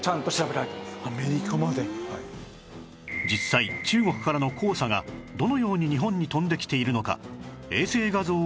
実際中国からの黄砂がどのように日本に飛んできているのか